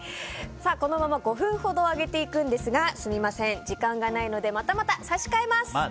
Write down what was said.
このまま５分ほど揚げていくんですがすみません、時間がないのでまたまた差し替えます。